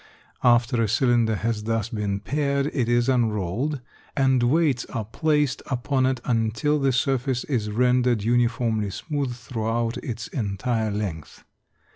After a cylinder has thus been pared it is unrolled, and weights are placed upon it until the surface is rendered uniformly smooth throughout its entire length.